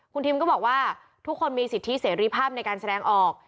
คุณทิมก็บอกว่าทุกคนมีสิทธิเสรีภาพในการแสดงออก